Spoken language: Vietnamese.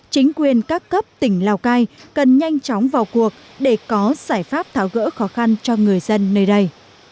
chính quyền các cấp tỉnh lào cai cần nhanh chóng vào cuộc để có giải pháp tháo gỡ khó khăn cho người dân nơi đây